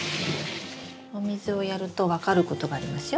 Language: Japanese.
お水をやると分かることがありますよ。